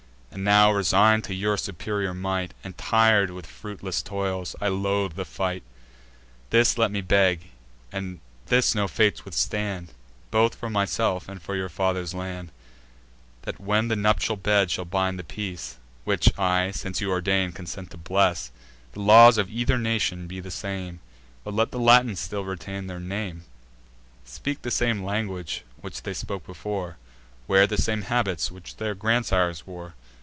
And now, resign'd to your superior might, And tir'd with fruitless toils, I loathe the fight. This let me beg (and this no fates withstand) Both for myself and for your father's land, That, when the nuptial bed shall bind the peace, (Which I, since you ordain, consent to bless,) The laws of either nation be the same; But let the Latins still retain their name, Speak the same language which they spoke before, Wear the same habits which their grandsires wore.